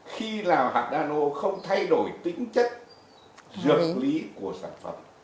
khi làm hạt nano không thay đổi tính chất dược lý của sản phẩm